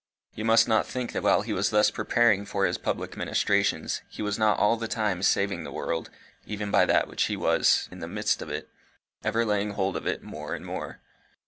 You must not think that while he was thus preparing for his public ministrations, he was not all the time saving the world even by that which he was in the midst of it, ever laying hold of it more and more.